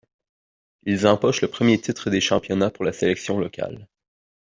Ils empochent le premier titre des championnats pour la sélection locale.